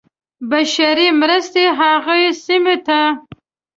بشري مرستې هغو سیمو ته.